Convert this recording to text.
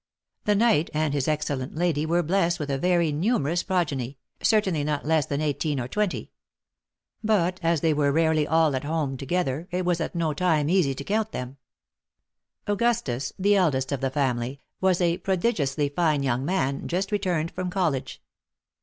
The knight and his excellent lady were blessed with a very numerous progeny, certainly not less than eighteen or twenty ; but, as they were rarely all at home together, it was at no time easy to count them. Augustus, the eldest of the family, was a prodigiously fine young man, just returned from college.